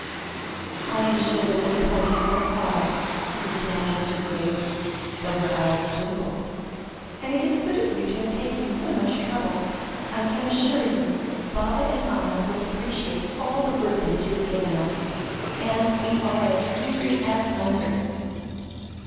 "I am sure there will be plenty for us all," Christina answered gravely, though her eyes twinkled; "and it is good of you to have taken so much trouble. I can assure you, Baba and I will appreciate all the good things you have given us, and we are as hungry as hunters."